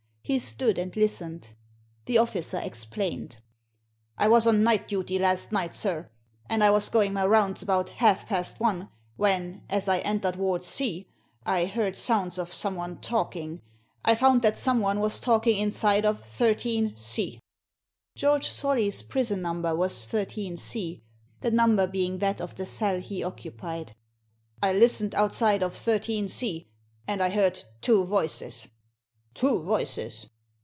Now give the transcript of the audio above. He stood and listened. The officer explained. Digitized by VjOOQIC 42 THE SEEN AND THE UNSEEN "I was on night duty last night, sir, and I was going my rounds about half past one, when, as I entered Ward C, I heard sounds of someone talking^ I found that someone was talking inside of 13 C." George Solly's prison number was 13 C, the number being that of the cell he occupied. "I listened outside of 13 C, and I heard two voices." " Two voices